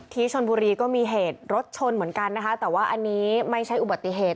ที่ชนบุรีก็มีเหตุรถชนเหมือนกันนะคะแต่ว่าอันนี้ไม่ใช่อุบัติเหตุ